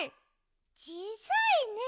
ちいさいね。